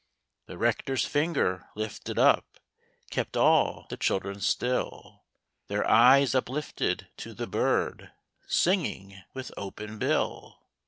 The Rector's finger lifted up, Kept all the children still, Their eyes uplifted to the bird Singing with open bill.